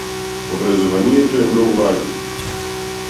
Образованието е многу важно.